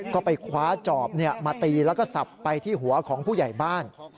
ก็ไปคว้าจอบมาตีแล้วก็สับไปที่หัวของผู้ใหญ่บ้าน